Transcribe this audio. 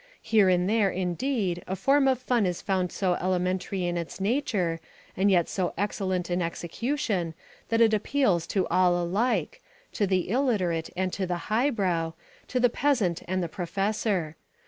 Here and there, indeed, a form of fun is found so elementary in its nature and yet so excellent in execution that it appeals to all alike, to the illiterate and to the highbrow, to the peasant and the professor.